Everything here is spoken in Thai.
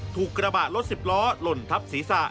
ถูกกระบะรถสิบล้อหล่นทับศีรษะ